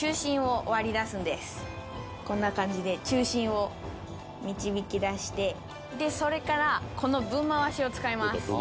こんな感じで中心を導き出してそれからこのぶんまわしを使います。